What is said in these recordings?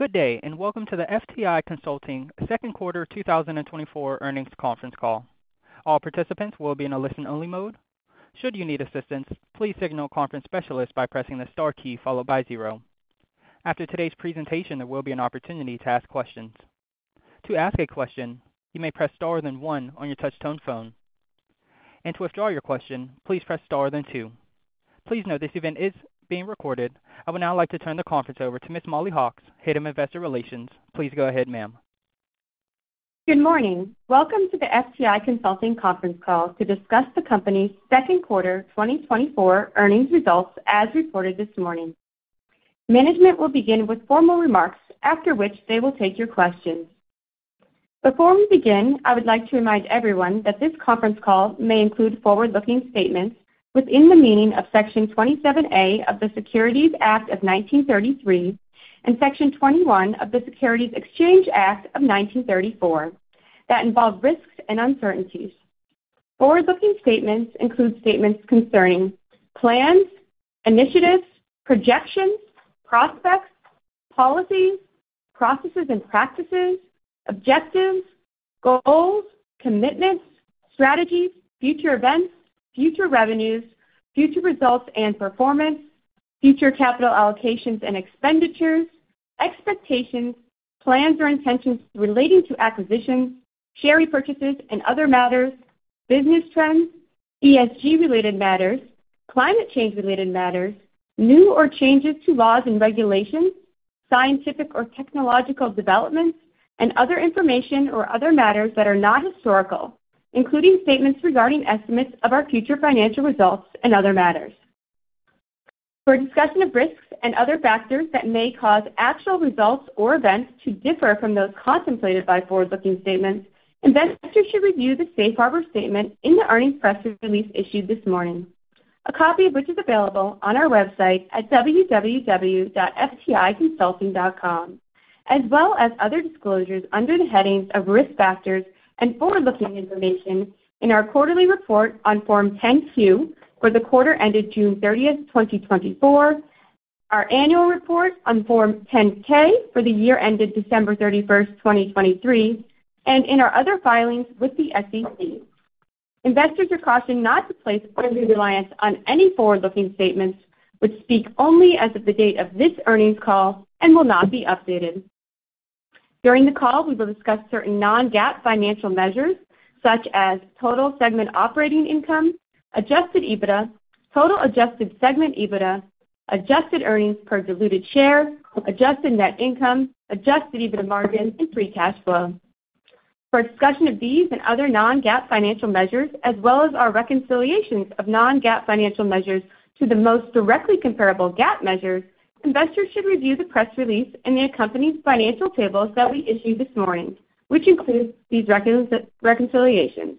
Good day, and welcome to the FTI Consulting second quarter 2024 earnings conference call. All participants will be in a listen-only mode. Should you need assistance, please signal a conference specialist by pressing the star key followed by zero. After today's presentation, there will be an opportunity to ask questions. To ask a question, you may press star, then one on your touchtone phone, and to withdraw your question, please press star, then two. Please note this event is being recorded. I would now like to turn the conference over to Ms. Mollie Hawkes, Head of Investor Relations. Please go ahead, ma'am. Good morning. Welcome to the FTI Consulting conference call to discuss the company's second quarter 2024 earnings results as reported this morning. Management will begin with formal remarks, after which they will take your questions. Before we begin, I would like to remind everyone that this conference call may include forward-looking statements within the meaning of Section 27A of the Securities Act of 1933 and Section 21 of the Securities Exchange Act of 1934 that involve risks and uncertainties. Forward-looking statements include statements concerning plans, initiatives, projections, prospects, policies, processes and practices, objectives, goals, commitments, strategies, future events, future revenues, future results and performance, future capital allocations and expenditures, expectations, plans or intentions relating to acquisitions, share repurchases and other matters, business trends, ESG-related matters, climate change-related matters, new or changes to laws and regulations, scientific or technological developments, and other information or other matters that are not historical, including statements regarding estimates of our future financial results and other matters. For a discussion of risks and other factors that may cause actual results or events to differ from those contemplated by forward-looking statements, investors should review the safe harbor statement in the earnings press release issued this morning, a copy of which is available on our website at www.fticonsulting.com, as well as other disclosures under the headings of Risk Factors and Forward-Looking Information in our quarterly report on Form 10-Q for the quarter ended June 30, 2024, our annual report on Form 10-K for the year ended December 31, 2023, and in our other filings with the SEC. Investors are cautioned not to place undue reliance on any forward-looking statements, which speak only as of the date of this earnings call and will not be updated. During the call, we will discuss certain non-GAAP financial measures such as total segment operating income, adjusted EBITDA, total adjusted segment EBITDA, adjusted earnings per diluted share, adjusted net income, adjusted EBITDA margin, and free cash flow. For a discussion of these and other non-GAAP financial measures, as well as our reconciliations of non-GAAP financial measures to the most directly comparable GAAP measures, investors should review the press release and the accompanying financial tables that we issued this morning, which includes these reconciliations.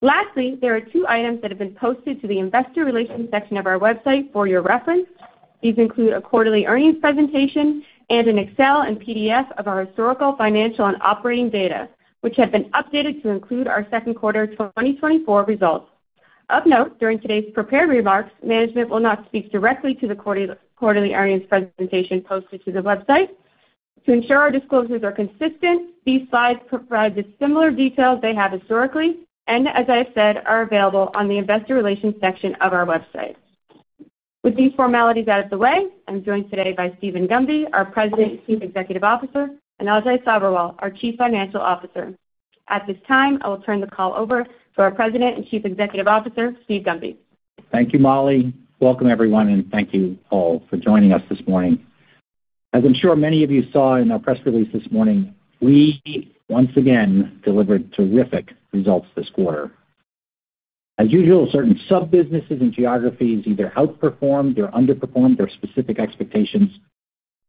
Lastly, there are two items that have been posted to the investor relations section of our website for your reference. These include a quarterly earnings presentation and an Excel and PDF of our historical, financial, and operating data, which have been updated to include our second quarter 2024 results. Of note, during today's prepared remarks, management will not speak directly to the quarterly earnings presentation posted to the website. To ensure our disclosures are consistent, these slides provide the similar details they have historically, and as I have said, are available on the investor relations section of our website. With these formalities out of the way, I'm joined today by Steven Gunby, our President and Chief Executive Officer, and Ajay Sabherwal, our Chief Financial Officer. At this time, I will turn the call over to our President and Chief Executive Officer, Steven Gunby. Thank you, Mollie. Welcome, everyone, and thank you all for joining us this morning. As I'm sure many of you saw in our press release this morning, we once again delivered terrific results this quarter. As usual, certain sub-businesses and geographies either outperformed or underperformed their specific expectations,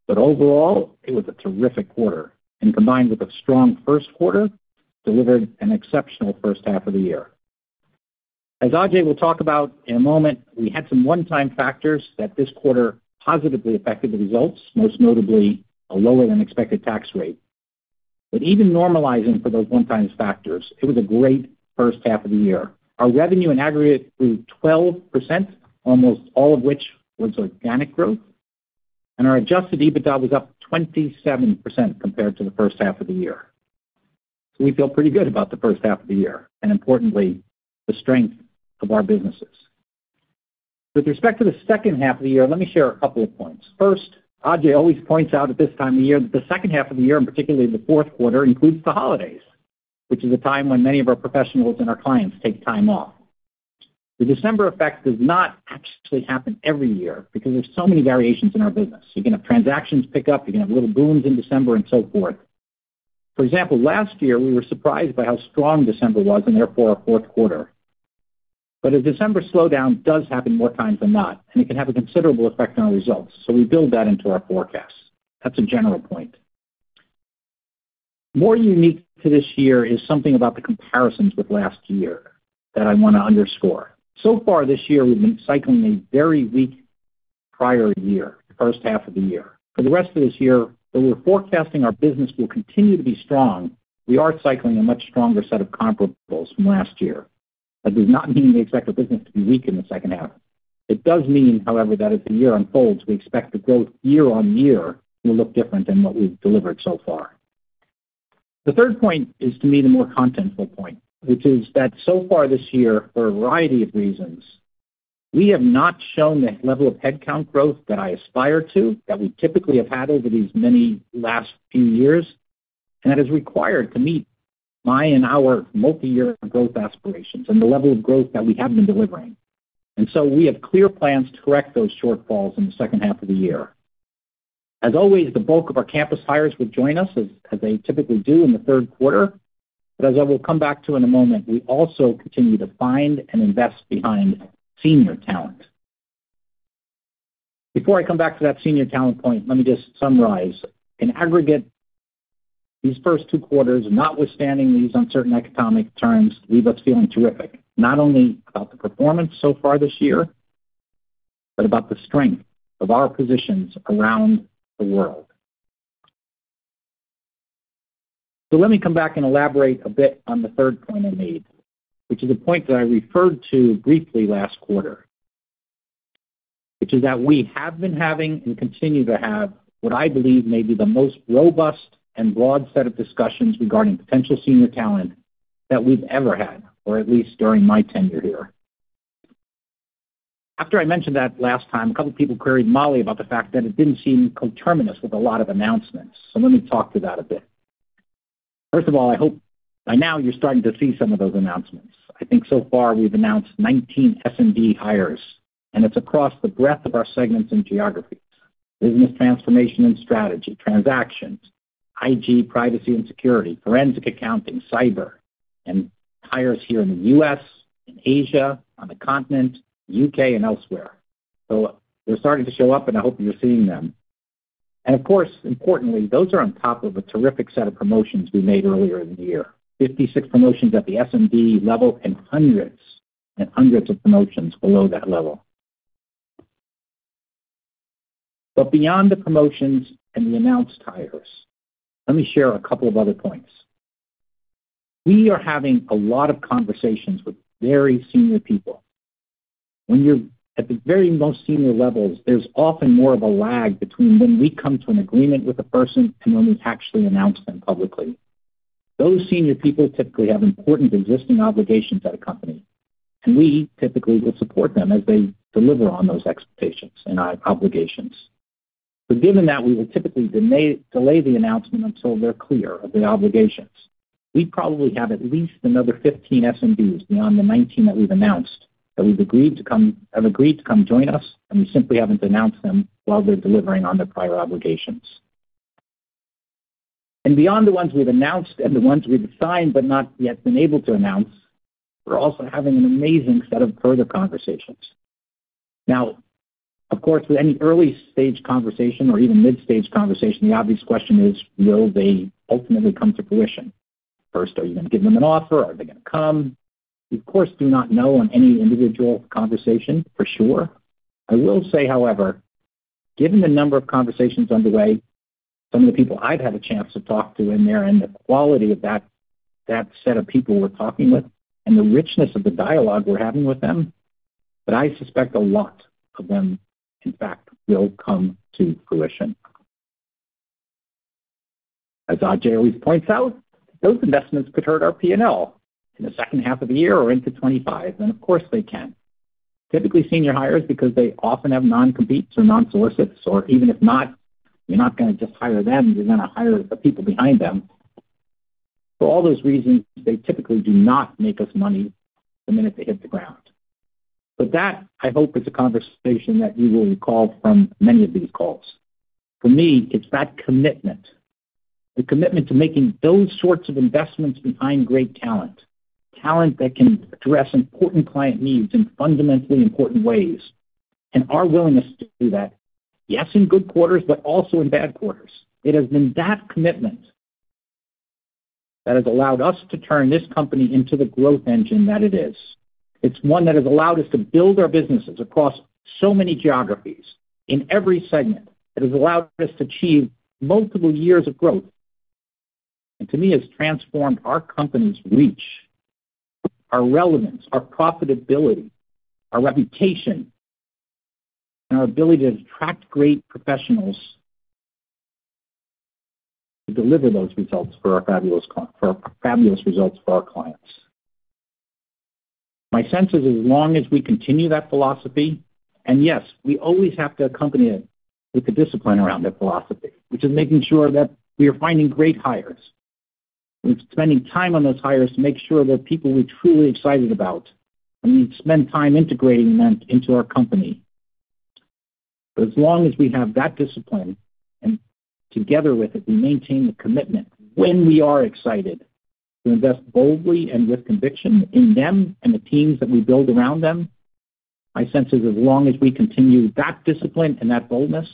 but overall, it was a terrific quarter, and combined with a strong first quarter, delivered an exceptional first half of the year. As Ajay will talk about in a moment, we had some one-time factors that this quarter positively affected the results, most notably a lower-than-expected tax rate. But even normalizing for those one-time factors, it was a great first half of the year. Our revenue in aggregate grew 12%, almost all of which was organic growth, and our Adjusted EBITDA was up 27% compared to the first half of the year. So we feel pretty good about the first half of the year and, importantly, the strength of our businesses. With respect to the second half of the year, let me share a couple of points. First, Ajay always points out at this time of year that the second half of the year, and particularly the fourth quarter, includes the holidays, which is a time when many of our professionals and our clients take time off. The December effect does not actually happen every year because there's so many variations in our business. You can have transactions pick up, you can have little booms in December, and so forth. For example, last year, we were surprised by how strong December was and therefore our fourth quarter. But a December slowdown does happen more times than not, and it can have a considerable effect on our results, so we build that into our forecasts. That's a general point. More unique to this year is something about the comparisons with last year that I want to underscore. So far this year, we've been cycling a very weak prior year, first half of the year. For the rest of this year, though we're forecasting our business will continue to be strong, we are cycling a much stronger set of comparables from last year. That does not mean we expect the business to be weak in the second half. It does mean, however, that as the year unfolds, we expect the growth year-on-year will look different than what we've delivered so far. The third point is, to me, the more contentful point, which is that so far this year, for a variety of reasons, we have not shown the level of headcount growth that I aspire to, that we typically have had over these many last few years, and that is required to meet my and our multi-year growth aspirations and the level of growth that we have been delivering. And so we have clear plans to correct those shortfalls in the second half of the year. As always, the bulk of our campus hires will join us, as they typically do in the third quarter. But as I will come back to in a moment, we also continue to find and invest behind senior talent. Before I come back to that senior talent point, let me just summarize. In aggregate, these first two quarters, notwithstanding these uncertain economic times, leave us feeling terrific, not only about the performance so far this year, but about the strength of our positions around the world. So let me come back and elaborate a bit on the third point I made, which is a point that I referred to briefly last quarter, which is that we have been having and continue to have what I believe may be the most robust and broad set of discussions regarding potential senior talent that we've ever had, or at least during my tenure here. After I mentioned that last time, a couple of people queried Molly about the fact that it didn't seem coterminous with a lot of announcements, so let me talk to that a bit. First of all, I hope by now you're starting to see some of those announcements. I think so far, we've announced 19 S&D hires, and it's across the breadth of our segments and geographies, business transformation and strategy, transactions, IG, privacy and security, forensic accounting, cyber, and hires here in the U.S., in Asia, on the continent, U.K. and elsewhere. So they're starting to show up, and I hope you're seeing them. And of course, importantly, those are on top of a terrific set of promotions we made earlier in the year, 56 promotions at the S&D level and hundreds and hundreds of promotions below that level. But beyond the promotions and the announced hires, let me share a couple of other points. We are having a lot of conversations with very senior people. When you're at the very most senior levels, there's often more of a lag between when we come to an agreement with a person and when we actually announce them publicly. Those senior people typically have important existing obligations at a company, and we typically will support them as they deliver on those expectations and obligations. So given that, we will typically delay, delay the announcement until they're clear of the obligations. We probably have at least another 15 S&Ds beyond the 19 that we've announced, that we've agreed to come, have agreed to come join us, and we simply haven't announced them while they're delivering on their prior obligations. And beyond the ones we've announced and the ones we've signed but not yet been able to announce, we're also having an amazing set of further conversations. Now, of course, with any early-stage conversation or even mid-stage conversation, the obvious question is: Will they ultimately come to fruition? First, are you going to give them an offer? Are they going to come? We, of course, do not know on any individual conversation for sure. I will say, however, given the number of conversations underway, some of the people I've had a chance to talk to in there, and the quality of that, that set of people we're talking with and the richness of the dialogue we're having with them, that I suspect a lot of them, in fact, will come to fruition. As Ajay always points out, those investments could hurt our P&L in the second half of the year or into 2025, and of course, they can. Typically, senior hires, because they often have non-competes or non-solicits, or even if not, you're not gonna just hire them, you're gonna hire the people behind them. For all those reasons, they typically do not make us money the minute they hit the ground. But that, I hope, is a conversation that you will recall from many of these calls. For me, it's that commitment, the commitment to making those sorts of investments behind great talent, talent that can address important client needs in fundamentally important ways, and our willingness to do that, yes, in good quarters, but also in bad quarters. It has been that commitment that has allowed us to turn this company into the growth engine that it is. It's one that has allowed us to build our businesses across so many geographies in every segment. It has allowed us to achieve multiple years of growth. And to me, it's transformed our company's reach, our relevance, our profitability, our reputation, and our ability to attract great professionals to deliver those results for our fabulous for fabulous results for our clients. My sense is, as long as we continue that philosophy, and yes, we always have to accompany it with the discipline around that philosophy, which is making sure that we are finding great hires. We're spending time on those hires to make sure they're people we're truly excited about, and we spend time integrating them into our company. But as long as we have that discipline, and together with it, we maintain the commitment when we are excited to invest boldly and with conviction in them and the teams that we build around them. My sense is, as long as we continue that discipline and that boldness,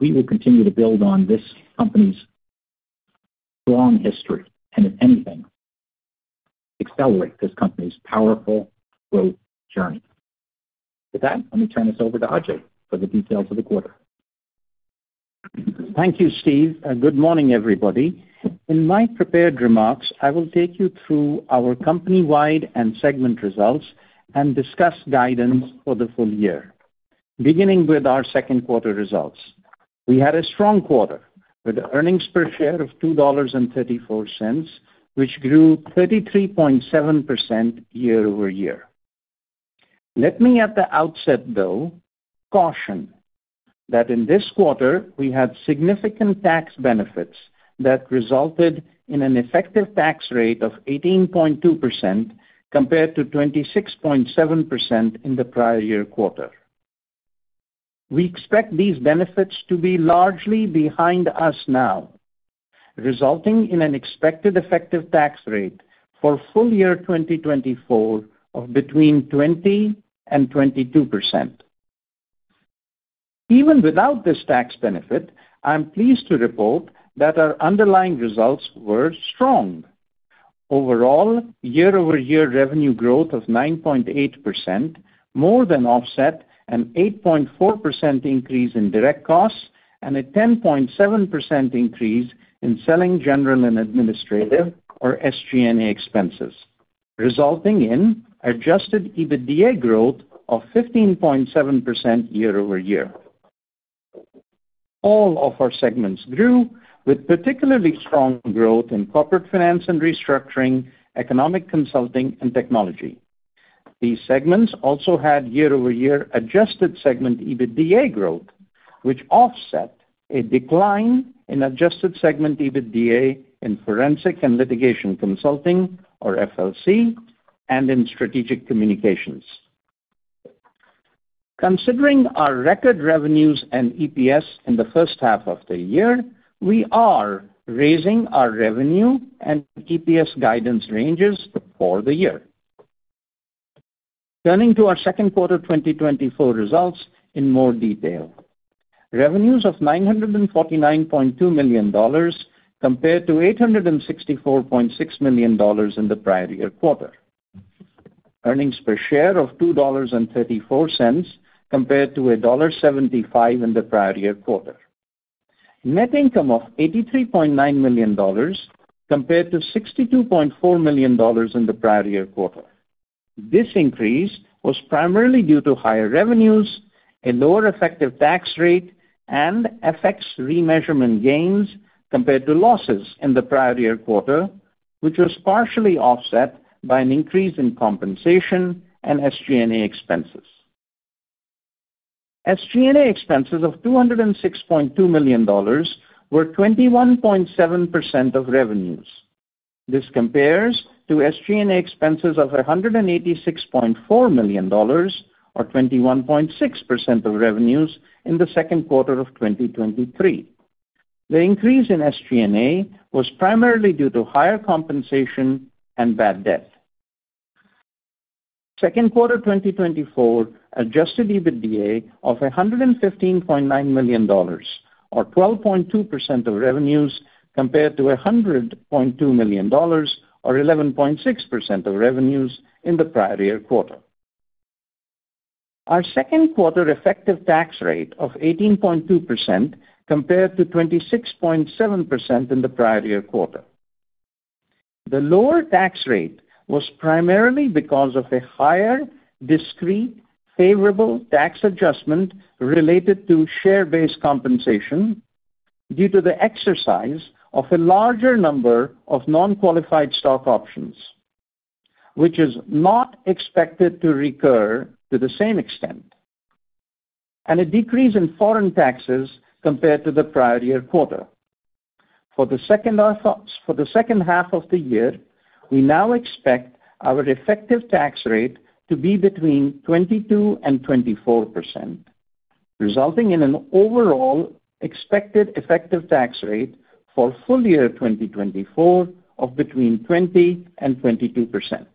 we will continue to build on this company's strong history, and if anything, accelerate this company's powerful growth journey. With that, let me turn this over to Ajay for the details of the quarter. Thank you, Steve, and good morning, everybody. In my prepared remarks, I will take you through our company-wide and segment results and discuss guidance for the full year. Beginning with our second quarter results. We had a strong quarter, with earnings per share of $2.34, which grew 33.7% year-over-year. Let me at the outset, though, caution that in this quarter, we had significant tax benefits that resulted in an effective tax rate of 18.2%, compared to 26.7% in the prior year quarter. We expect these benefits to be largely behind us now, resulting in an expected effective tax rate for full year 2024 of between 20% and 22%. Even without this tax benefit, I'm pleased to report that our underlying results were strong. Overall, year-over-year revenue growth of 9.8%, more than offset an 8.4% increase in direct costs, and a 10.7% increase in Selling, General and Administrative, or SG&A, expenses, resulting in Adjusted EBITDA growth of 15.7% year-over-year. All of our segments grew, with particularly strong growth in Corporate Finance and Restructuring, Economic Consulting, and Technology. These segments also had year-over-year adjusted segment EBITDA growth, which offset a decline in adjusted segment EBITDA in Forensic and Litigation Consulting, or FLC, and in Strategic Communications. Considering our record revenues and EPS in the first half of the year, we are raising our revenue and EPS guidance ranges for the year. Turning to our second quarter 2024 results in more detail. Revenues of $949.2 million compared to $864.6 million in the prior year quarter. Earnings per share of $2.34, compared to $1.75 in the prior year quarter. Net income of $83.9 million, compared to $62.4 million in the prior year quarter. This increase was primarily due to higher revenues, a lower effective tax rate, and FX remeasurement gains compared to losses in the prior year quarter, which was partially offset by an increase in compensation and SG&A expenses. SG&A expenses of $206.2 million were 21.7% of revenues. This compares to SG&A expenses of $186.4 million, or 21.6% of revenues, in the second quarter of 2023. The increase in SG&A was primarily due to higher compensation and bad debt. Second quarter 2024, adjusted EBITDA of $115.9 million, or 12.2% of revenues, compared to $100.2 million, or 11.6% of revenues, in the prior year quarter. Our second quarter effective tax rate of 18.2% compared to 26.7% in the prior year quarter. The lower tax rate was primarily because of a higher discrete, favorable tax adjustment related to share-based compensation due to the exercise of a larger number of non-qualified stock options, which is not expected to recur to the same extent, and a decrease in foreign taxes compared to the prior year quarter. For the second half of the year, we now expect our effective tax rate to be between 22% and 24%, resulting in an overall expected effective tax rate for full year 2024 of between 20% and 22%.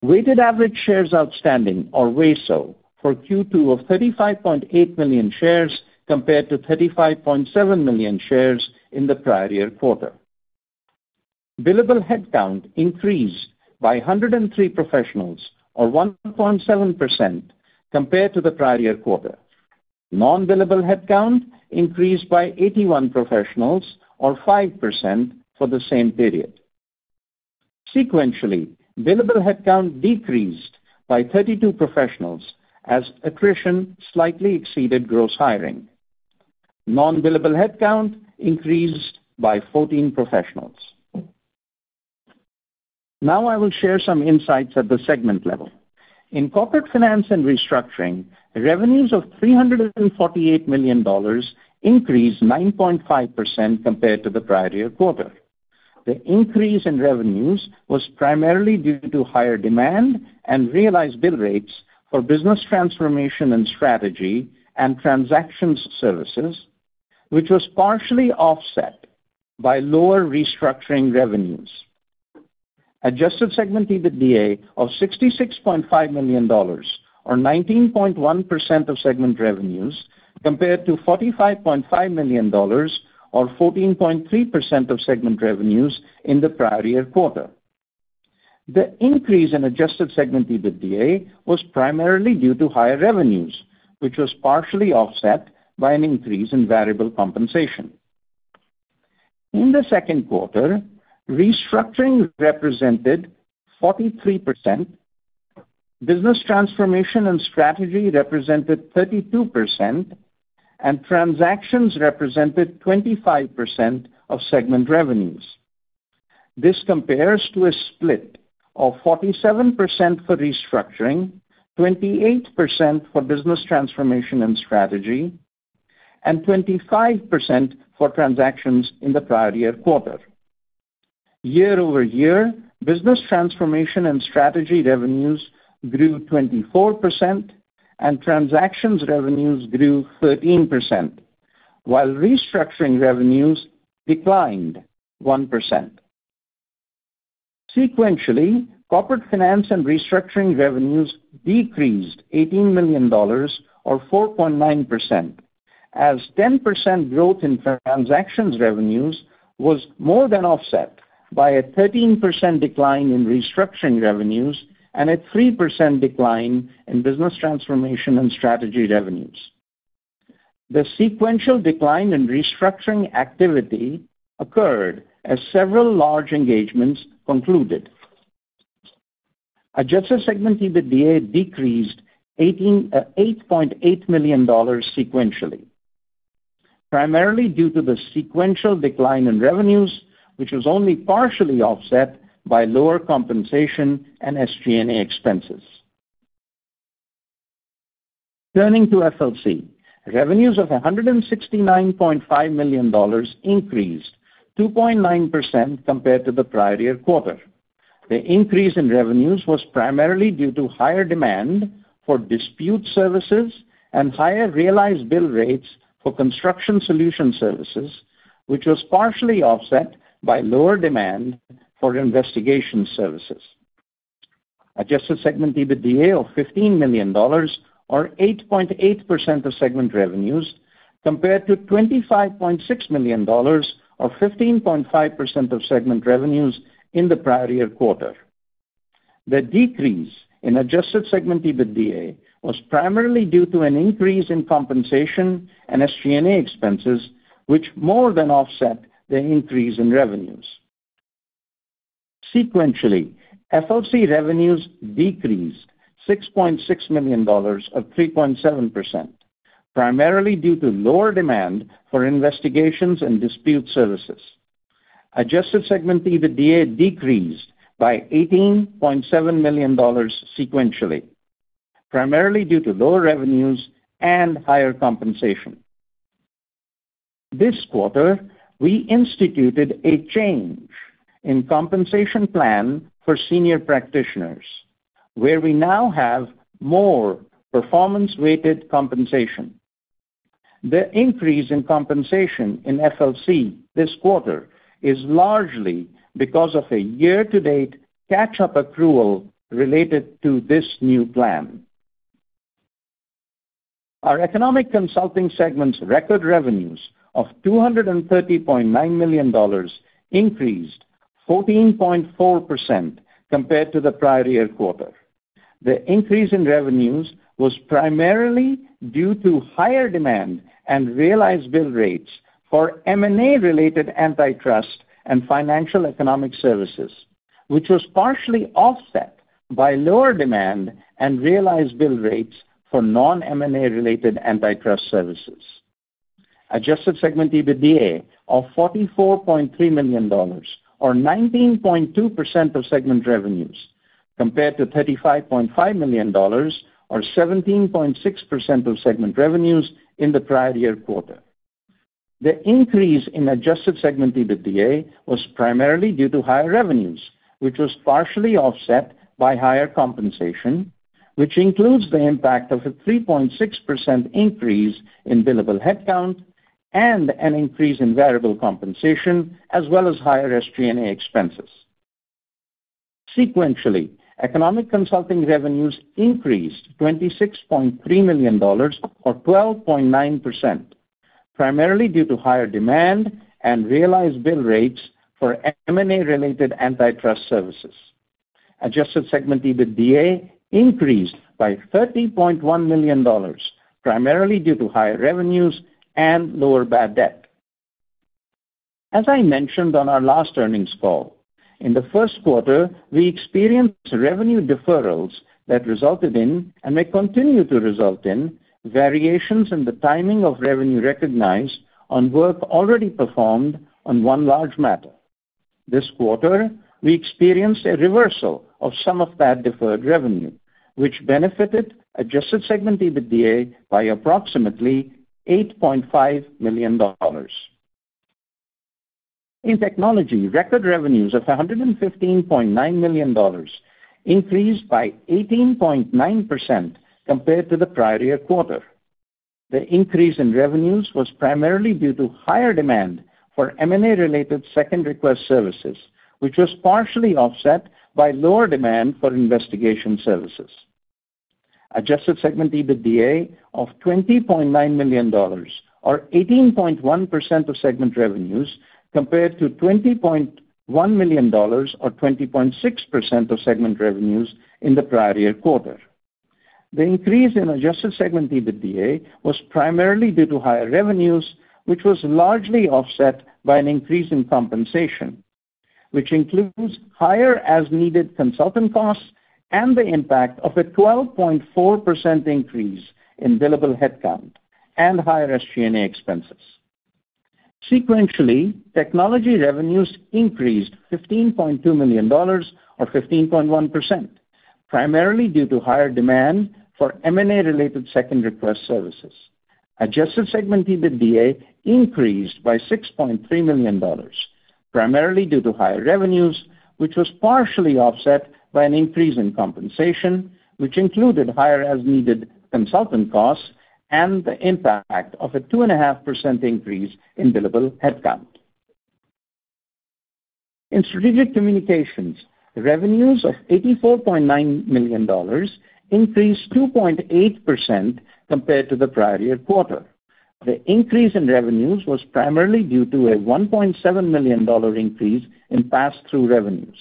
Weighted Average Shares Outstanding, or WASO, for Q2 of 35.8 million shares, compared to 35.7 million shares in the prior year quarter. Billable headcount increased by 103 professionals, or 1.7%, compared to the prior year quarter. Non-billable headcount increased by 81 professionals, or 5%, for the same period. Sequentially, billable headcount decreased by 32 professionals as attrition slightly exceeded gross hiring. Non-billable headcount increased by 14 professionals. Now I will share some insights at the segment level. In Corporate Finance and Restructuring, revenues of $348 million increased 9.5% compared to the prior year quarter. The increase in revenues was primarily due to higher demand and realized bill rates for business transformation and strategy and transactions services, which was partially offset by lower restructuring revenues. Adjusted Segment EBITDA of $66.5 million, or 19.1% of segment revenues, compared to $45.5 million, or 14.3% of segment revenues, in the prior year quarter. The increase in Adjusted Segment EBITDA was primarily due to higher revenues, which was partially offset by an increase in variable compensation. In the second quarter, restructuring represented 43%, business transformation and strategy represented 32%, and transactions represented 25% of segment revenues. This compares to a split of 47% for restructuring, 28% for business transformation and strategy, and 25% for transactions in the prior year quarter. Year-over-year, business transformation and strategy revenues grew 24%, and transactions revenues grew 13%, while restructuring revenues declined 1%. Sequentially, corporate finance and restructuring revenues decreased $18 million or 4.9%, as 10% growth in transactions revenues was more than offset by a 13% decline in restructuring revenues and a 3% decline in business transformation and strategy revenues. The sequential decline in restructuring activity occurred as several large engagements concluded. Adjusted segment EBITDA decreased $8.8 million sequentially, primarily due to the sequential decline in revenues, which was only partially offset by lower compensation and SG&A expenses. Turning to FLC, revenues of $169.5 million increased 2.9% compared to the prior year quarter. The increase in revenues was primarily due to higher demand for dispute services and higher realized bill rates for construction solution services, which was partially offset by lower demand for investigation services. Adjusted segment EBITDA of $15 million, or 8.8% of segment revenues, compared to $25.6 million, or 15.5% of segment revenues, in the prior year quarter. The decrease in adjusted segment EBITDA was primarily due to an increase in compensation and SG&A expenses, which more than offset the increase in revenues. Sequentially, FLC revenues decreased $6.6 million, or 3.7%, primarily due to lower demand for investigations and dispute services. Adjusted Segment EBITDA decreased by $18.7 million sequentially, primarily due to lower revenues and higher compensation. This quarter, we instituted a change in compensation plan for senior practitioners, where we now have more performance-weighted compensation. The increase in compensation in FLC this quarter is largely because of a year-to-date catch-up accrual related to this new plan. Our Economic Consulting segment's record revenues of $230.9 million increased 14.4% compared to the prior year quarter. The increase in revenues was primarily due to higher demand and realized bill rates for M&A-related antitrust and financial economic services, which was partially offset by lower demand and realized bill rates for non-M&A-related antitrust services. Adjusted Segment EBITDA of $44.3 million, or 19.2% of segment revenues, compared to $35.5 million, or 17.6% of segment revenues, in the prior year quarter. The increase in Adjusted Segment EBITDA was primarily due to higher revenues, which was partially offset by higher compensation, which includes the impact of a 3.6% increase in billable headcount and an increase in variable compensation, as well as higher SG&A expenses. Sequentially, Economic Consulting revenues increased $26.3 million, or 12.9%, primarily due to higher demand and realized bill rates for M&A-related antitrust services. Adjusted Segment EBITDA increased by $13.1 million, primarily due to higher revenues and lower bad debt. As I mentioned on our last earnings call, in the first quarter, we experienced revenue deferrals that resulted in, and may continue to result in, variations in the timing of revenue recognized on work already performed on one large matter. This quarter, we experienced a reversal of some of that deferred revenue, which benefited adjusted segment EBITDA by approximately $8.5 million. In technology, record revenues of $115.9 million increased by 18.9% compared to the prior year quarter. The increase in revenues was primarily due to higher demand for M&A-related second request services, which was partially offset by lower demand for investigation services. Adjusted Segment EBITDA of $20.9 million, or 18.1% of segment revenues, compared to $20.1 million or 20.6% of segment revenues in the prior year quarter. The increase in Adjusted Segment EBITDA was primarily due to higher revenues, which was largely offset by an increase in compensation, which includes higher as-needed consultant costs and the impact of a 12.4% increase in Billable Headcount and higher SG&A expenses. Sequentially, Technology revenues increased $15.2 million or 15.1%, primarily due to higher demand for M&A-related Second Request services. Adjusted Segment EBITDA increased by $6.3 million, primarily due to higher revenues, which was partially offset by an increase in compensation, which included higher as-needed consultant costs and the impact of a 2.5% increase in Billable Headcount. In Strategic Communications, revenues of $84.9 million increased 2.8% compared to the prior year quarter. The increase in revenues was primarily due to a $1.7 million increase in pass-through revenues.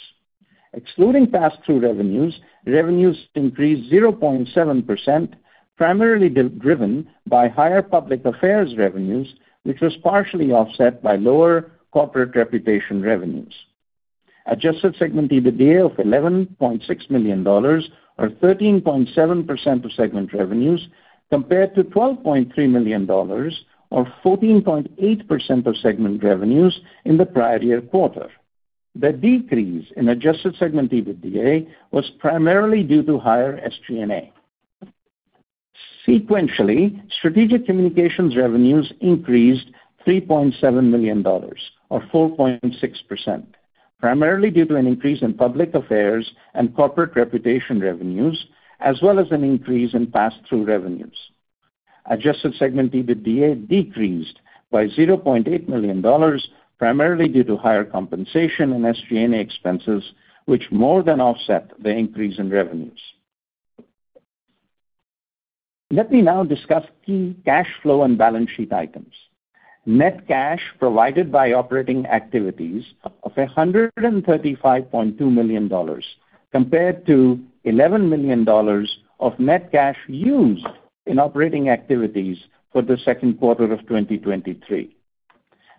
Excluding pass-through revenues, revenues increased 0.7%, primarily driven by higher public affairs revenues, which was partially offset by lower corporate reputation revenues. Adjusted Segment EBITDA of $11.6 million, or 13.7% of segment revenues, compared to $12.3 million or 14.8% of segment revenues in the prior year quarter. The decrease in Adjusted Segment EBITDA was primarily due to higher SG&A. Sequentially, Strategic Communications revenues increased $3.7 million or 4.6%, primarily due to an increase in public affairs and corporate reputation revenues, as well as an increase in pass-through revenues. Adjusted Segment EBITDA decreased by $0.8 million, primarily due to higher compensation and SG&A expenses, which more than offset the increase in revenues. Let me now discuss key cash flow and balance sheet items. Net cash provided by operating activities of $135.2 million, compared to $11 million of net cash used in operating activities for the second quarter of 2023.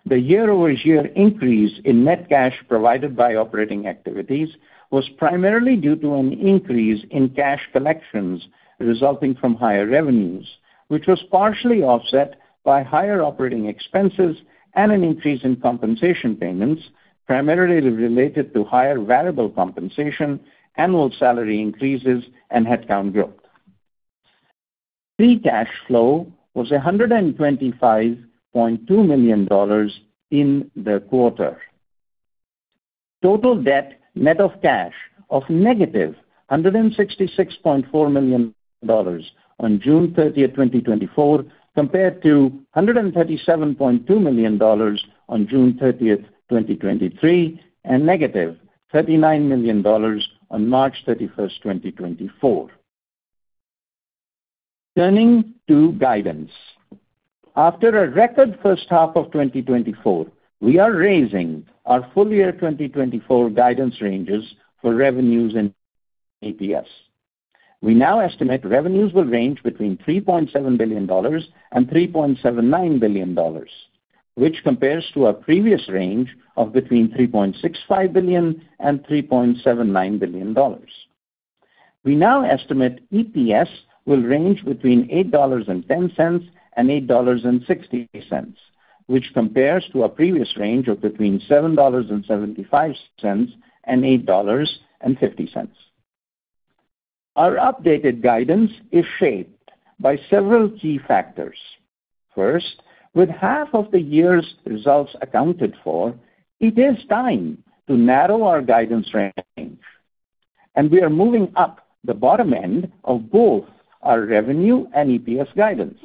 The year-over-year increase in net cash provided by operating activities was primarily due to an increase in cash collections resulting from higher revenues, which was partially offset by higher operating expenses and an increase in compensation payments, primarily related to higher variable compensation, annual salary increases, and headcount growth. Free Cash Flow was $125.2 million in the quarter. Total debt, net of cash of negative $166.4 million on June 30, 2024, compared to $137.2 million on June 30, 2023, and negative $39 million on March 31, 2024. Turning to guidance. After a record first half of 2024, we are raising our full-year 2024 guidance ranges for revenues and EPS. We now estimate revenues will range between $3.7 billion and $3.79 billion, which compares to our previous range of between $3.65 billion and $3.79 billion. We now estimate EPS will range between $8.10 and $8.68, which compares to a previous range of between $7.75 and $8.50. Our updated guidance is shaped by several key factors. First, with half of the year's results accounted for, it is time to narrow our guidance range, and we are moving up the bottom end of both our revenue and EPS guidance.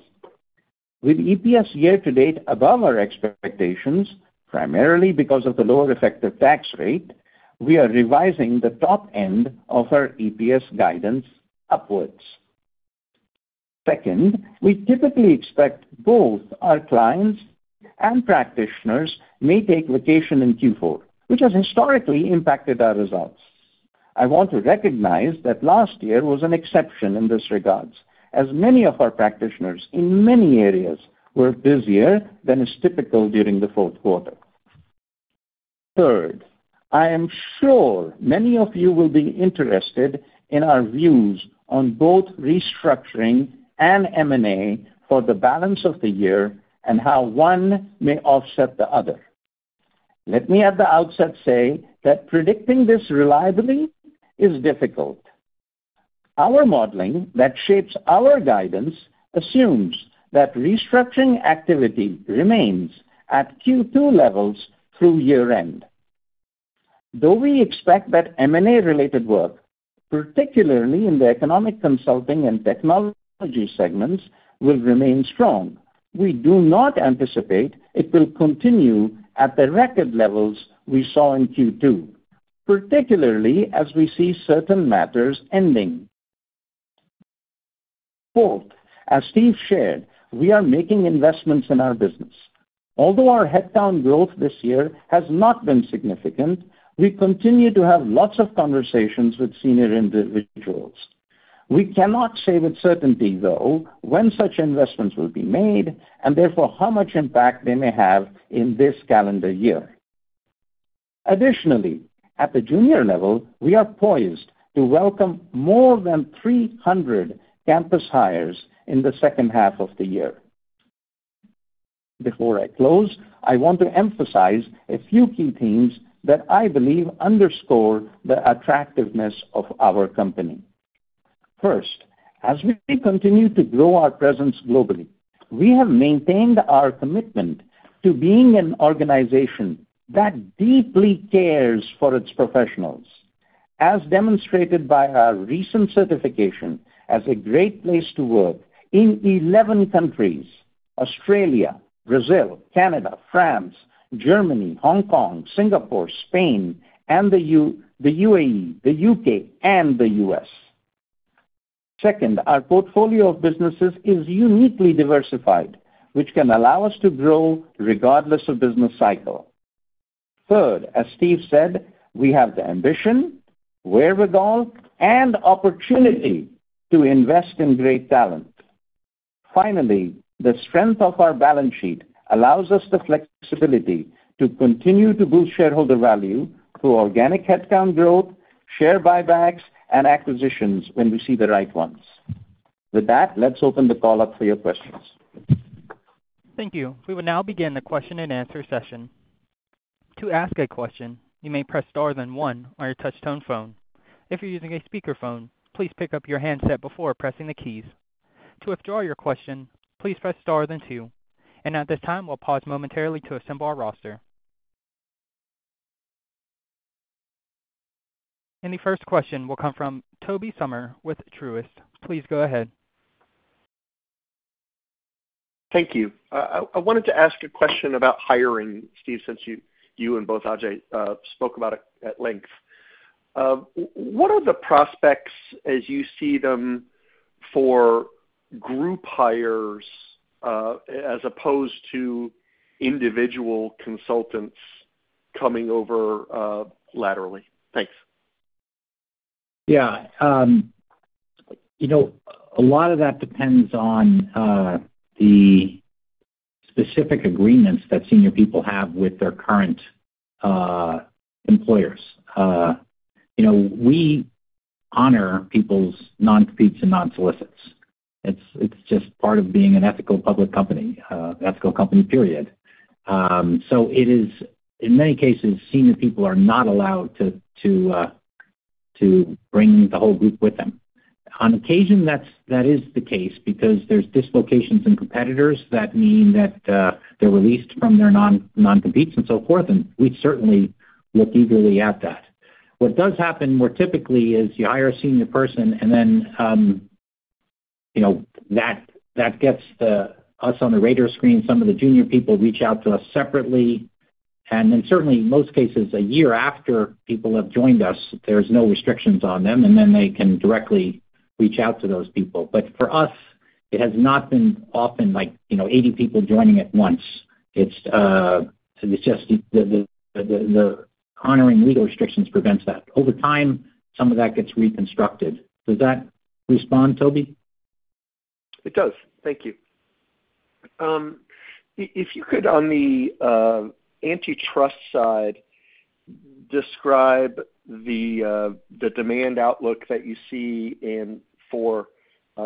With EPS year-to-date above our expectations, primarily because of the lower effective tax rate, we are revising the top end of our EPS guidance upwards. Second, we typically expect both our clients and practitioners may take vacation in Q4, which has historically impacted our results. I want to recognize that last year was an exception in this regard, as many of our practitioners in many areas were busier than is typical during the fourth quarter. Third, I am sure many of you will be interested in our views on both restructuring and M&A for the balance of the year and how one may offset the other. Let me at the outset say that predicting this reliably is difficult. Our modeling that shapes our guidance assumes that restructuring activity remains at Q2 levels through year-end. Though we expect that M&A-related work, particularly in the economic consulting and technology segments, will remain strong, we do not anticipate it will continue a.t the record levels we saw in Q2... particularly as we see certain matters ending. Fourth, as Steve shared, we are making investments in our business. Although our headcount growth this year has not been significant, we continue to have lots of conversations with senior individuals. We cannot say with certainty, though, when such investments will be made, and therefore how much impact they may have in this calendar year. Additionally, at the junior level, we are poised to welcome more than 300 campus hires in the second half of the year. Before I close, I want to emphasize a few key themes that I believe underscore the attractiveness of our company. First, as we continue to grow our presence globally, we have maintained our commitment to being an organization that deeply cares for its professionals, as demonstrated by our recent certification as a great place to work in 11 countries: Australia, Brazil, Canada, France, Germany, Hong Kong, Singapore, Spain, and the UAE, the UK, and the U.S. Second, our portfolio of businesses is uniquely diversified, which can allow us to grow regardless of business cycle. Third, as Steve said, we have the ambition, wherewithal, and opportunity to invest in great talent. Finally, the strength of our balance sheet allows us the flexibility to continue to boost shareholder value through organic headcount growth, share buybacks, and acquisitions when we see the right ones. With that, let's open the call up for your questions. Thank you. We will now begin the question-and-answer session. To ask a question, you may press star then one on your touchtone phone. If you're using a speakerphone, please pick up your handset before pressing the keys. To withdraw your question, please press star then two. At this time, we'll pause momentarily to assemble our roster. And the first question will come from Tobey Sommer with Truist. Please go ahead. Thank you. I wanted to ask a question about hiring, Steve, since you and both Ajay spoke about it at length. What are the prospects as you see them for group hires, as opposed to individual consultants coming over laterally? Thanks. Yeah. You know, a lot of that depends on the specific agreements that senior people have with their current employers. You know, we honor people's non-competes and non-solicits. It's just part of being an ethical public company, ethical company, period. So it is, in many cases, senior people are not allowed to bring the whole group with them. On occasion, that is the case because there's dislocations in competitors that mean that they're released from their non-competes and so forth, and we certainly look eagerly at that. What does happen more typically is you hire a senior person and then, you know, that gets us on the radar screen. Some of the junior people reach out to us separately, and then certainly, in most cases, a year after people have joined us, there's no restrictions on them, and then they can directly reach out to those people. But for us, it has not been often, like, you know, 80 people joining at once. It's just the honoring legal restrictions prevents that. Over time, some of that gets reconstructed. Does that respond, Tobey? It does. Thank you. If you could, on the antitrust side, describe the demand outlook that you see in for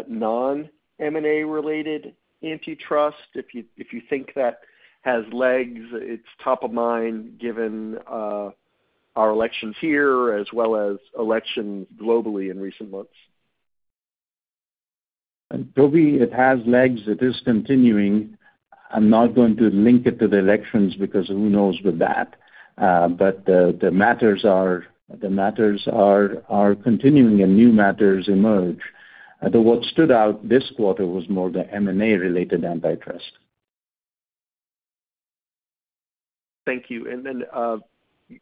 non-M&A-related antitrust, if you think that has legs, it's top of mind, given our elections here, as well as elections globally in recent months. Tobey, it has legs. It is continuing. I'm not going to link it to the elections, because who knows with that? But the matters are continuing, and new matters emerge. Though what stood out this quarter was more the M&A-related antitrust. Thank you. And then,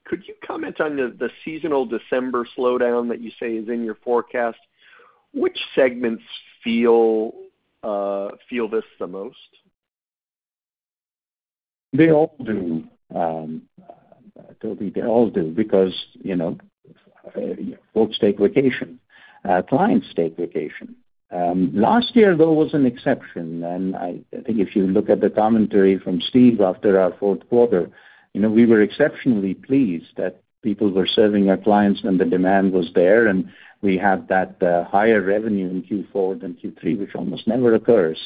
could you comment on the seasonal December slowdown that you say is in your forecast? Which segments feel this the most? They all do, Toby, they all do, because, you know, folks take vacation, clients take vacation. Last year, though, was an exception, and I think if you look at the commentary from Steve after our fourth quarter, you know, we were exceptionally pleased that people were serving our clients when the demand was there, and we had that, higher revenue in Q4 than Q3, which almost never occurs.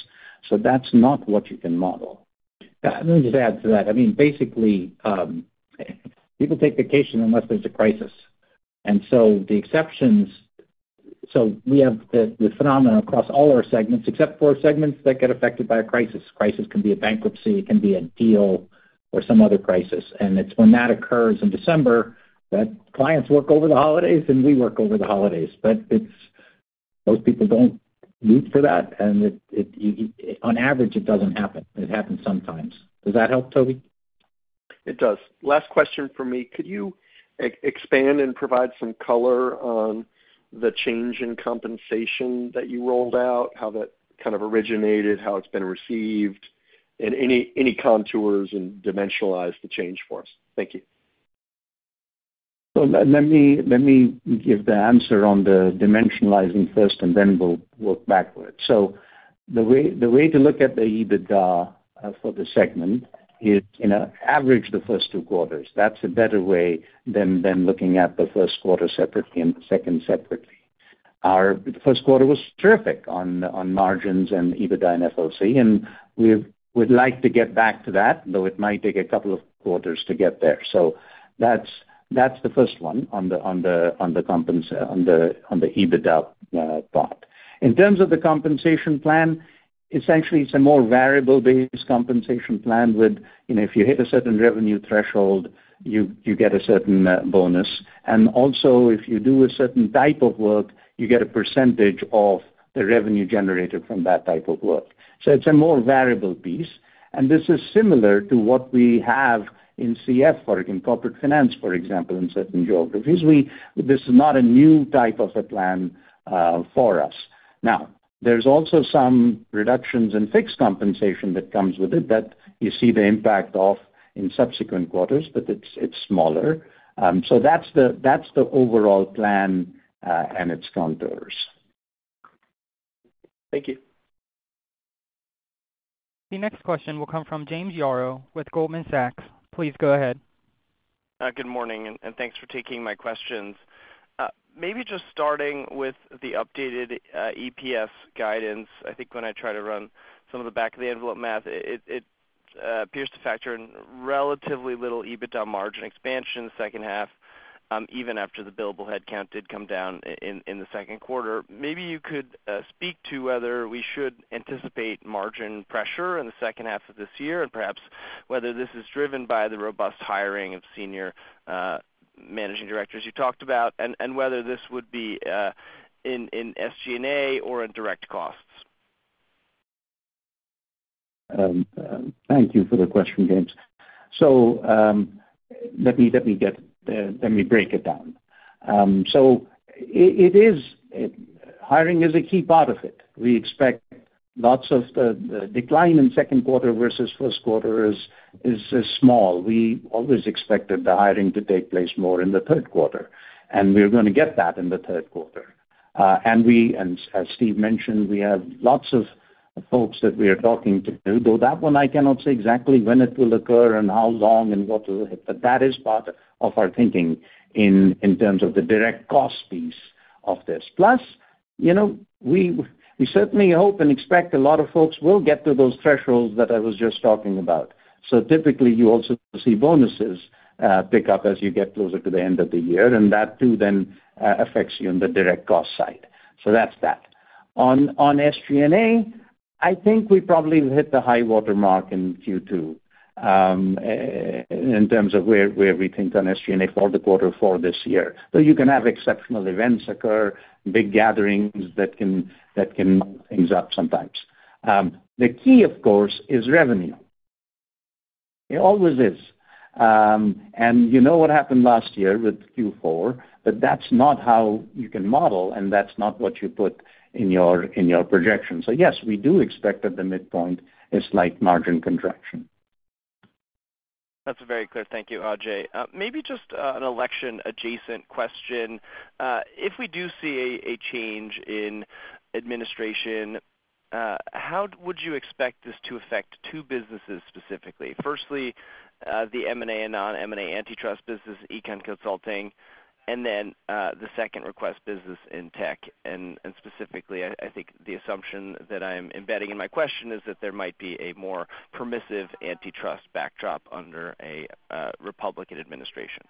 So that's not what you can model. Yeah, let me just add to that. I mean, basically, people take vacation unless there's a crisis. And so the exceptions, so we have the phenomenon across all our segments, except for segments that get affected by a crisis. Crisis can be a bankruptcy, it can be a deal or some other crisis. And it's when that occurs in December, that clients work over the holidays, and we work over the holidays. But most people don't root for that, and it, on average, it doesn't happen. It happens sometimes. Does that help, Toby? It does. Last question for me: Could you expand and provide some color on the change in compensation that you rolled out, how that kind of originated, how it's been received, and any, any contours and dimensionalize the change for us? Thank you. So let me give the answer on the dimensionalizing first, and then we'll work backwards. So the way to look at the EBITDA for the segment is, you know, average the first two quarters. That's a better way than looking at the first quarter separately and the second separately. Our first quarter was terrific on margins and EBITDA and FOC, and we'd like to get back to that, though it might take a couple of quarters to get there. So that's the first one on the EBITDA part. In terms of the compensation plan, essentially, it's a more variable-based compensation plan with, you know, if you hit a certain revenue threshold, you get a certain bonus. And also, if you do a certain type of work, you get a percentage of the revenue generated from that type of work. So it's a more variable piece, and this is similar to what we have in CF or in corporate finance, for example, in certain geographies. This is not a new type of a plan for us. Now, there's also some reductions in fixed compensation that comes with it that you see the impact of in subsequent quarters, but it's, it's smaller. So that's the, that's the overall plan, and its contours. Thank you. The next question will come from James Yaro with Goldman Sachs. Please go ahead. Good morning, and thanks for taking my questions. Maybe just starting with the updated EPS guidance. I think when I try to run some of the back-of-the-envelope math, it appears to factor in relatively little EBITDA margin expansion in the second half, even after the billable headcount did come down in the second quarter. Maybe you could speak to whether we should anticipate margin pressure in the second half of this year, and perhaps whether this is driven by the robust hiring of senior managing directors you talked about, and whether this would be in SG&A or in direct costs. Thank you for the question, James. So, let me break it down. So, hiring is a key part of it. We expect lots of the decline in second quarter versus first quarter is small. We always expected the hiring to take place more in the third quarter, and we're gonna get that in the third quarter. And as Steve mentioned, we have lots of folks that we are talking to, though that one I cannot say exactly when it will occur and how long and what will it. But that is part of our thinking in terms of the direct cost piece of this. Plus, you know, we certainly hope and expect a lot of folks will get to those thresholds that I was just talking about. So typically, you also see bonuses pick up as you get closer to the end of the year, and that, too, then, affects you on the direct cost side. So that's that. On SG&A, I think we probably hit the high-water mark in Q2, in terms of where we think on SG&A for the quarter for this year. So you can have exceptional events occur, big gatherings that can things up sometimes. The key, of course, is revenue. It always is. And you know what happened last year with Q4, but that's not how you can model, and that's not what you put in your projections. So yes, we do expect that the midpoint is slight margin contraction. That's very clear. Thank you, Ajay. Maybe just an election-adjacent question. If we do see a change in administration, how would you expect this to affect two businesses specifically? Firstly, the M&A and non-M&A antitrust business, Econ consulting, and then, the second request business in tech, and specifically, I think the assumption that I'm embedding in my question is that there might be a more permissive antitrust backdrop under a Republican administration.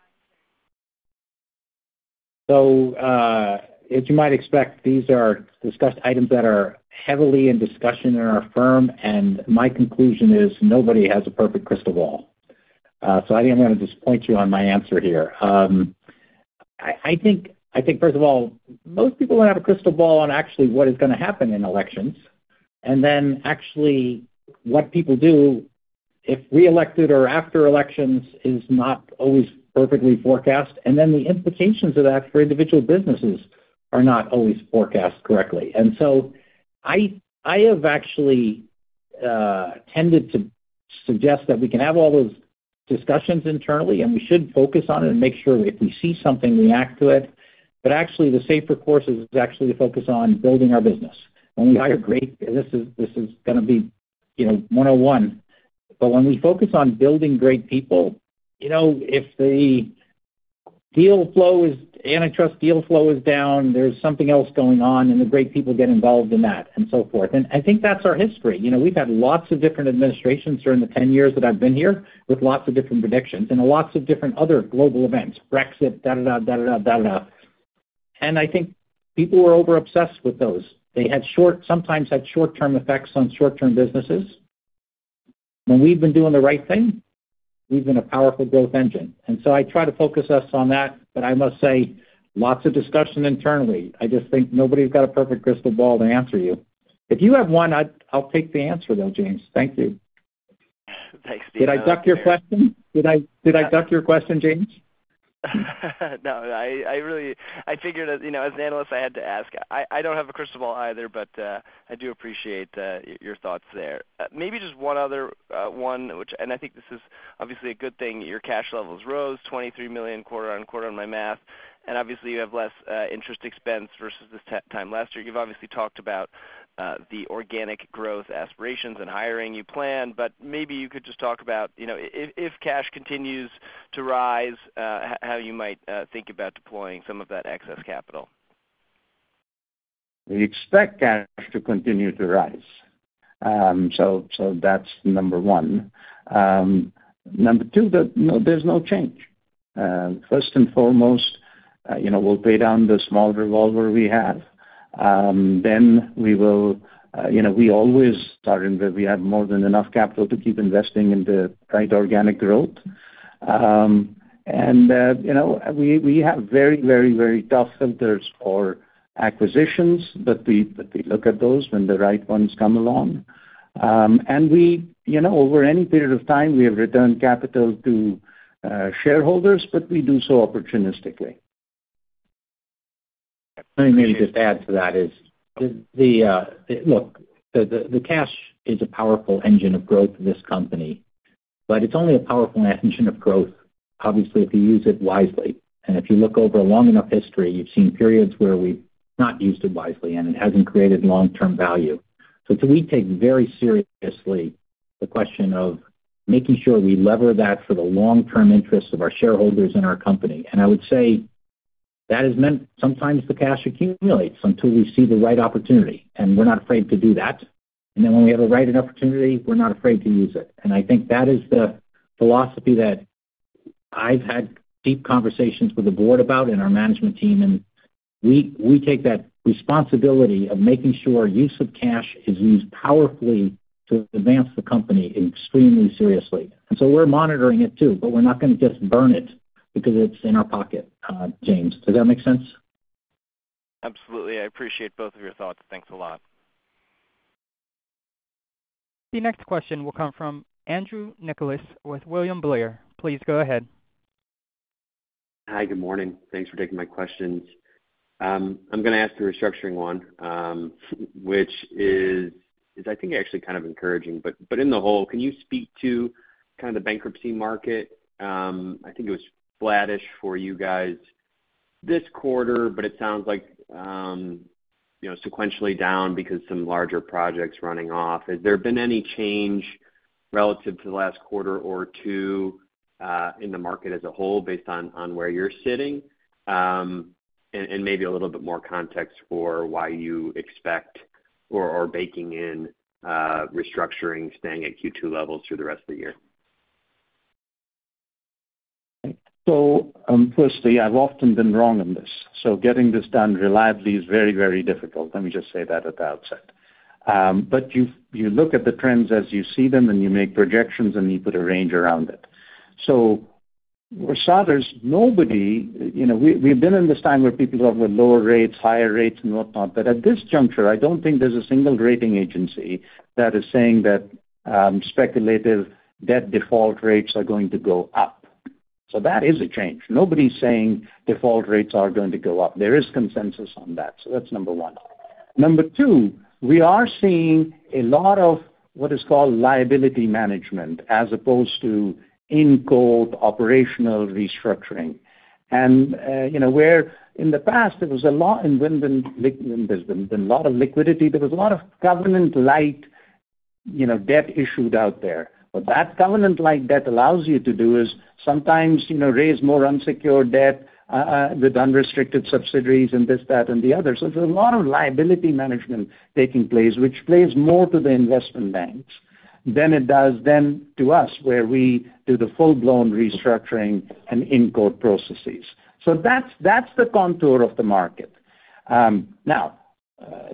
As you might expect, these are discussed items that are heavily in discussion in our firm, and my conclusion is nobody has a perfect crystal ball. I think I'm gonna just point you on my answer here. I think, first of all, most people don't have a crystal ball on actually what is gonna happen in elections. And then, actually, what people do if reelected or after elections is not always perfectly forecast, and then the implications of that for individual businesses are not always forecast correctly. And so I have actually tended to suggest that we can have all those discussions internally, and we should focus on it and make sure if we see something, react to it. But actually, the safer course is actually to focus on building our business. And we have great. This is, this is gonna be, you know, 101. But when we focus on building great people, you know, if the deal flow is, antitrust deal flow is down, there's something else going on, and the great people get involved in that, and so forth. And I think that's our history. You know, we've had lots of different administrations during the 10 years that I've been here, with lots of different predictions and lots of different other global events, Brexit, da, da, da, da, da, da, da. And I think people were over-obsessed with those. They had short, sometimes had short-term effects on short-term businesses. When we've been doing the right thing, we've been a powerful growth engine. And so I try to focus us on that. But I must say, lots of discussion internally. I just think nobody's got a perfect crystal ball to answer you. If you have one, I'll take the answer, though, James. Thank you. Thanks, Steve. Did I duck your question? Did I, did I duck your question, James? No, I really-- I figured that, you know, as an analyst, I had to ask. I don't have a crystal ball either, but I do appreciate your thoughts there. Maybe just one other one, which-- and I think this is obviously a good thing. Your cash levels rose $23 million quarter-over-quarter on my math, and obviously, you have less interest expense versus this time last year. You've obviously talked about the organic growth aspirations and hiring you plan, but maybe you could just talk about, you know, if cash continues to rise, how you might think about deploying some of that excess capital. We expect cash to continue to rise. So that's number one. Number two, no, there's no change. First and foremost, you know, we'll pay down the small revolver we have. Then we will, you know, we always start with we have more than enough capital to keep investing in the right organic growth. And, you know, we have very, very, very tough filters for acquisitions, but we look at those when the right ones come along. And we, you know, over any period of time, we have returned capital to shareholders, but we do so opportunistically. Let me maybe just add to that. The cash is a powerful engine of growth of this company, but it's only a powerful engine of growth, obviously, if you use it wisely. And if you look over a long enough history, you've seen periods where we've not used it wisely, and it hasn't created long-term value. So we take very seriously the question of making sure we lever that for the long-term interests of our shareholders and our company. And I would say that has meant sometimes the cash accumulates until we see the right opportunity, and we're not afraid to do that. And then when we have a right opportunity, we're not afraid to use it. And I think that is the philosophy that I've had deep conversations with the board about and our management team, and we take that responsibility of making sure our use of cash is used powerfully to advance the company extremely seriously. And so we're monitoring it, too, but we're not gonna just burn it because it's in our pocket, James. Does that make sense? Absolutely. I appreciate both of your thoughts. Thanks a lot. The next question will come from Andrew Nicholas with William Blair. Please go ahead. Hi, good morning. Thanks for taking my questions. I'm gonna ask the restructuring one, which is, I think actually kind of encouraging. But in the whole, can you speak to kind of the bankruptcy market? I think it was flattish for you guys this quarter, but it sounds like, you know, sequentially down because some larger projects running off. Has there been any change relative to the last quarter or two, in the market as a whole, based on where you're sitting? And maybe a little bit more context for why you expect or baking in, restructuring staying at Q2 levels through the rest of the year. So, firstly, I've often been wrong on this, so getting this done reliably is very, very difficult. Let me just say that at the outset. But you, you look at the trends as you see them, and you make projections, and you put a range around it. So we saw there's nobody... You know, we, we've been in this time where people go with lower rates, higher rates, and whatnot, but at this juncture, I don't think there's a single rating agency that is saying that, speculative debt default rates are going to go up. So that is a change. Nobody's saying default rates are going to go up. There is consensus on that. So that's number one. Number two, we are seeing a lot of what is called liability management, as opposed to in-court operational restructuring. And, you know, where in the past, there's been a lot of liquidity. There was a lot of covenant-lite, you know, debt issued out there. What that covenant-lite debt allows you to do is sometimes, you know, raise more unsecured debt with unrestricted subsidiaries and this, that, and the other. So there's a lot of liability management taking place, which plays more to the investment banks than it does then to us, where we do the full-blown restructuring and in-court processes. So that's the contour of the market. Now,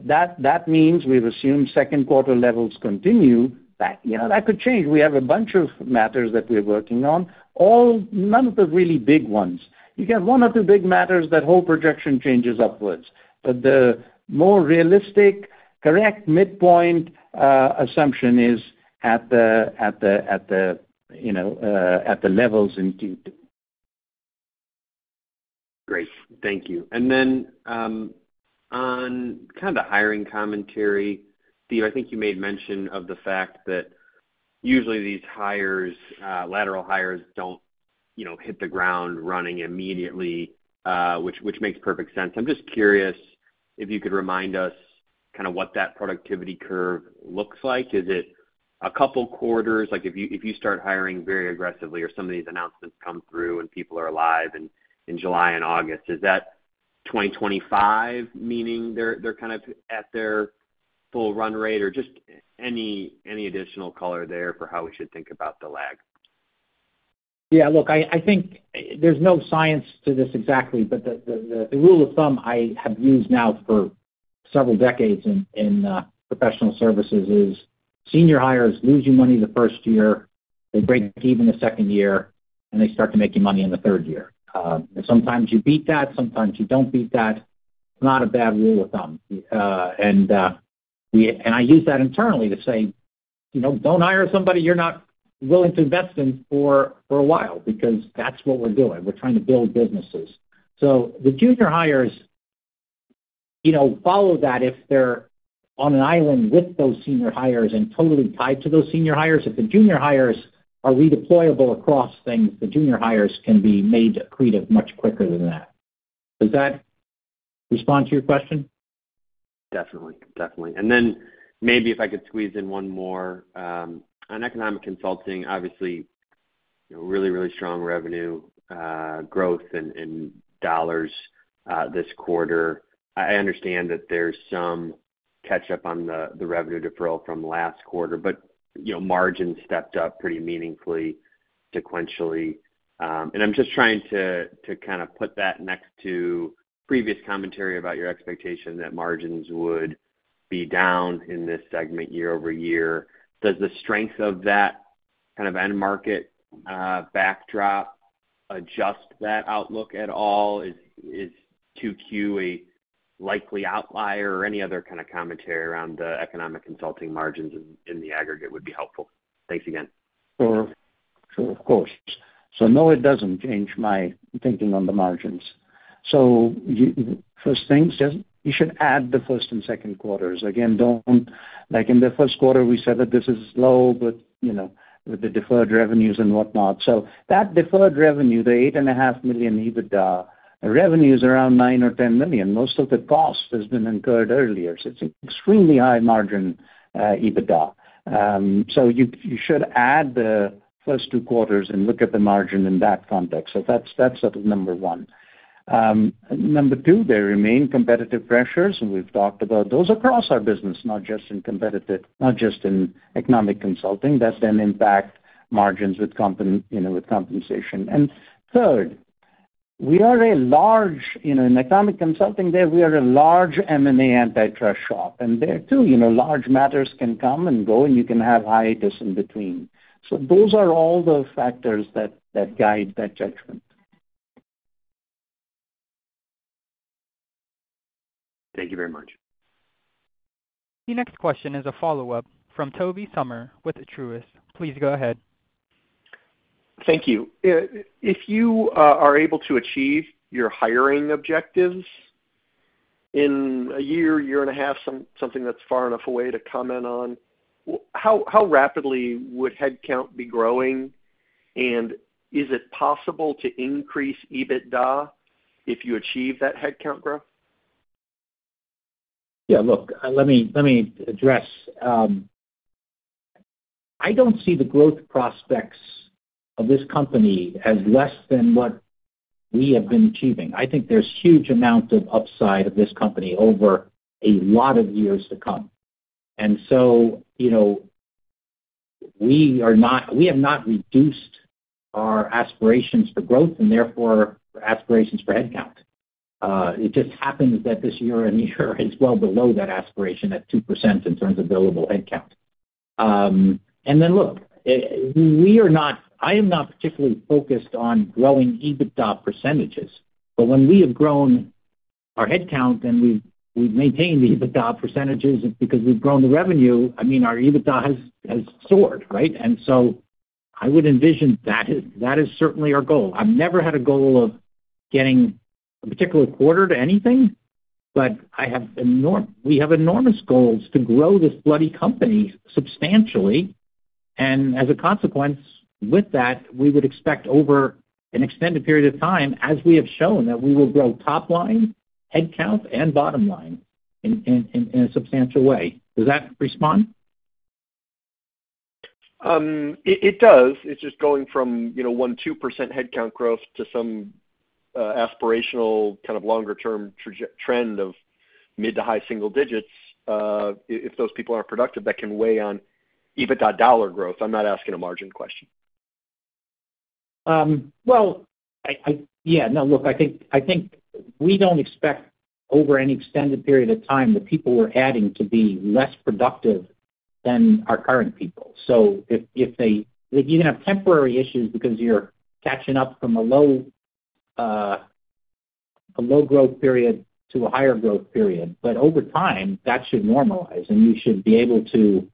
that means we've assumed second quarter levels continue. That, you know, that could change. We have a bunch of matters that we're working on, all none of the really big ones. You get 1 or 2 big matters, that whole projection changes upwards. But the more realistic, correct midpoint assumption is at the, you know, levels in Q2. Great. Thank you. And then, on kind of the hiring commentary, Steve, I think you made mention of the fact that usually these hires, lateral hires don't, you know, hit the ground running immediately, which makes perfect sense. I'm just curious if you could remind us kind of what that productivity curve looks like. Is it a couple quarters? Like, if you start hiring very aggressively or some of these announcements come through and people are hired in July and August, is that 2025, meaning they're kind of at their full run rate? Or just any additional color there for how we should think about the lag? Yeah, look, I think there's no science to this exactly, but the rule of thumb I have used now for several decades in professional services is senior hires lose you money the first year, they break even the second year, and they start to make you money in the third year. And sometimes you beat that, sometimes you don't beat that. It's not a bad rule of thumb. And I use that internally to say, "You know, don't hire somebody you're not willing to invest in for a while," because that's what we're doing. We're trying to build businesses. So the junior hires, you know, follow that if they're on an island with those senior hires and totally tied to those senior hires. If the junior hires are redeployable across things, the junior hires can be made accretive much quicker than that. Does that respond to your question? Definitely, definitely. And then maybe if I could squeeze in one more. On Economic Consulting, obviously, you know, really, really strong revenue growth in dollars this quarter. I understand that there's some catch up on the revenue deferral from last quarter, but, you know, margin stepped up pretty meaningfully, sequentially. And I'm just trying to kind of put that next to previous commentary about your expectation that margins would be down in this segment year-over-year. Does the strength of that kind of end market backdrop adjust that outlook at all? Is 2Q a likely outlier or any other kind of commentary around the Economic Consulting margins in the aggregate would be helpful. Thanks again. Sure. Sure, of course. So no, it doesn't change my thinking on the margins. So first thing, you should add the first and second quarters. Again, don't. Like in the first quarter, we said that this is low, but, you know, with the deferred revenues and whatnot. So that deferred revenue, the $8.5 million EBITDA, the revenue is around $9 or $10 million. Most of the cost has been incurred earlier, so it's extremely high margin EBITDA. So you should add the first two quarters and look at the margin in that context. So that's sort of number one. Number two, there remain competitive pressures, and we've talked about those across our business, not just in competitive, not just in Economic Consulting. That's an impact on margins with comp, you know, with compensation. And third, we are a large, you know, in economic consulting there, we are a large M&A antitrust shop, and there, too, you know, large matters can come and go, and you can have hiatus in between. So those are all the factors that guide that judgment. Thank you very much. The next question is a follow-up from Tobey Sommer with Truist. Please go ahead. Thank you. If you are able to achieve your hiring objectives in a year, year and a half, something that's far enough away to comment on, how rapidly would headcount be growing? And is it possible to increase EBITDA if you achieve that headcount growth? Yeah, look, let me, let me address... I don't see the growth prospects of this company as less than what we have been achieving. I think there's huge amount of upside of this company over a lot of years to come. And so, you know, we are not-- we have not reduced our aspirations for growth and therefore aspirations for headcount. It just happens that this year and year is well below that aspiration at 2% in terms of billable headcount. And then, look, we are not-- I am not particularly focused on growing EBITDA percentages. But when we have grown our headcount, then we've, we've maintained the EBITDA percentages, because we've grown the revenue, I mean, our EBITDA has, has soared, right? And so I would envision that is, that is certainly our goal. I've never had a goal of getting a particular quarter to anything, but I have enormous goals to grow this bloody company substantially. As a consequence, with that, we would expect over an extended period of time, as we have shown, that we will grow top line, headcount, and bottom line in a substantial way. Does that respond? It does. It's just going from, you know, 1%-2% headcount growth to some aspirational, kind of, longer term trend of mid- to high-single digits. If those people aren't productive, that can weigh on EBITDA dollar growth. I'm not asking a margin question. Well, I... Yeah, no, look, I think we don't expect over any extended period of time, the people we're adding to be less productive than our current people. So if they-- you're gonna have temporary issues because you're catching up from a low, a low growth period to a higher growth period. But over time, that should normalize, and you should be able to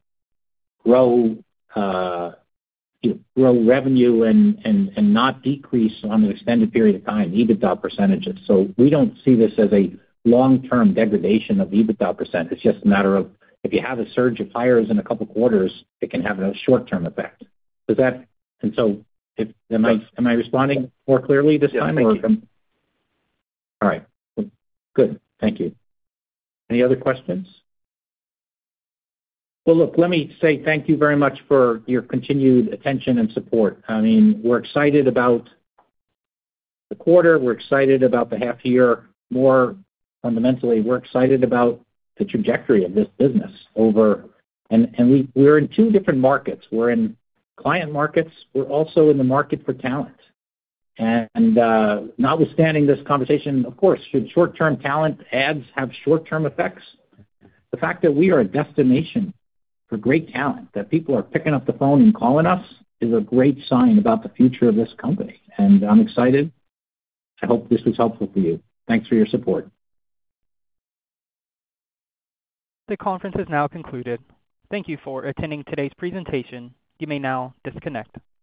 grow, grow revenue and, and, and not decrease on an extended period of time, EBITDA percentages. So we don't see this as a long-term degradation of EBITDA percent. It's just a matter of, if you have a surge of hires in a couple of quarters, it can have a short-term effect. Does that-- And so, am I responding more clearly this time or- Yeah, thank you. All right. Good. Thank you. Any other questions? Well, look, let me say thank you very much for your continued attention and support. I mean, we're excited about the quarter, we're excited about the half year. More fundamentally, we're excited about the trajectory of this business over... And we're in two different markets. We're in client markets. We're also in the market for talent. And, notwithstanding this conversation, of course, should short-term talent adds have short-term effects? The fact that we are a destination for great talent, that people are picking up the phone and calling us, is a great sign about the future of this company, and I'm excited. I hope this was helpful for you. Thanks for your support. The conference is now concluded. Thank you for attending today's presentation. You may now disconnect.